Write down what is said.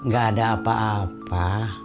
gak ada apa apa